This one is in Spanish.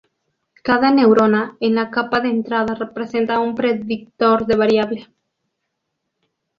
Cada neurona en la capa de entrada representa un predictor de variable.